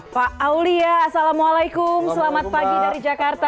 pak aulia assalamualaikum selamat pagi dari jakarta